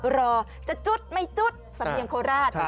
รอจะจุดไม่จุดสำเนียงโคราช